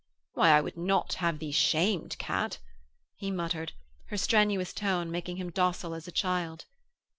'Why, I would not have thee shamed, Kat,' he muttered, her strenuous tone making him docile as a child.